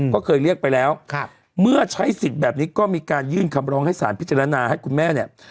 ก็เคยเรียกไปแล้วเมื่อใช้สิทธิ์แบบนี้ก็มีการยื่นคำร้องให้สารพิจารณาให้คุณแม่เนี่ย